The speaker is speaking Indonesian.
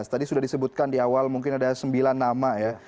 tadi sudah disebutkan di awal mungkin ada sembilan nama ya